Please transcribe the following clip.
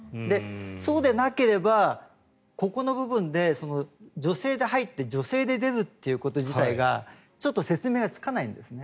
そうでなければ、ここの部分で女性で入って女性で出るっていうこと自体が説明がつかないんですね。